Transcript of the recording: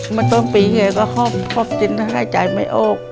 มันต้นปีเกิดก็หอบจิ้นห้ายใจไม่โอ้ก